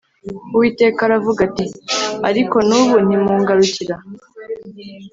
Uwiteka aravuga ati ariko n’ ubu ntimungarukira